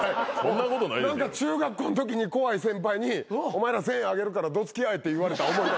中学校のときに怖い先輩にお前ら１，０００円あげるからどつき合えって言われた。